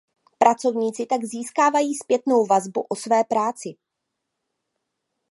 Pracovníci tak získávají zpětnou vazbu o své práci.